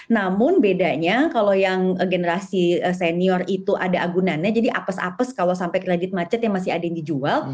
namun bedanya kalau yang generasi senior itu ada agunannya jadi apes apes kalau sampai kredit macet yang masih ada yang dijual